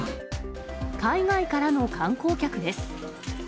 海外からの観光客です。